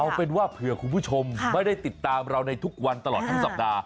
เอาเป็นว่าเผื่อคุณผู้ชมไม่ได้ติดตามเราในทุกวันตลอดทั้งสัปดาห์